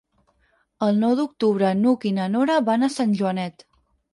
El nou d'octubre n'Hug i na Nora van a Sant Joanet.